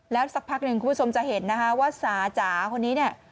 แล้วสักพักหนึ่งคุณผู้ชมจะเห็นนะคะว่าสาจ๋าคนนี้เนี่ย